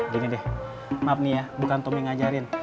gini deh maaf nih ya bukan tommy ngajarin